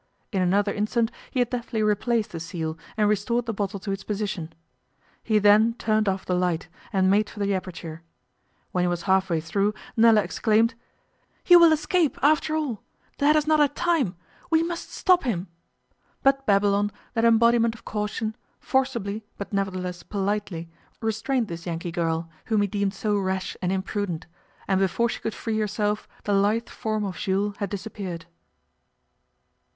In another instant he had deftly replaced the seal and restored the bottle to its position. He then turned off the light, and made for the aperture. When he was half way through Nella exclaimed, 'He will escape, after all. Dad has not had time we must stop him.' But Babylon, that embodiment of caution, forcibly, but nevertheless politely, restrained this Yankee girl, whom he deemed so rash and imprudent, and before she could free herself the lithe form of Jules had disappeared.